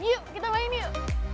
yuk kita main yuk